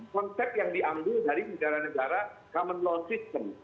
konsep yang diambil dari negara negara common law system